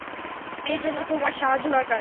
এর জন্য তোমার সাহায্য দরকার।